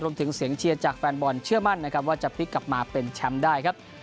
เสียงเชียร์จากแฟนบอลเชื่อมั่นนะครับว่าจะพลิกกลับมาเป็นแชมป์ได้ครับ